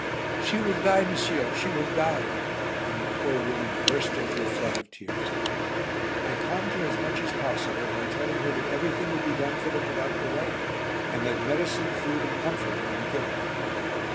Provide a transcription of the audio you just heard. "She will die, monsieur, she will die!" And the poor woman burst into a flood of tears. I calmed her as much as possible by telling her that everything would be done for them without delay, and that medicine, food, and comfort would be given them.